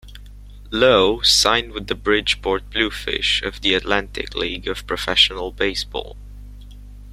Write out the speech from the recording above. Loe signed with the Bridgeport Bluefish of the Atlantic League of Professional Baseball.